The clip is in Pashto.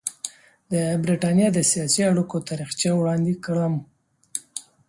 د برټانیې د سیاسي اړیکو تاریخچه وړاندې کړم.